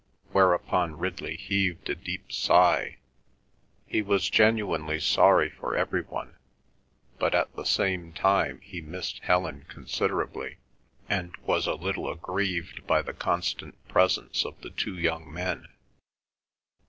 Whereupon Ridley heaved a deep sigh. He was genuinely sorry for every one, but at the same time he missed Helen considerably, and was a little aggrieved by the constant presence of the two young men.